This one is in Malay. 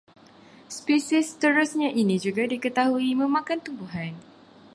Spesies seterusnya ini juga diketahui memakan tumbuhan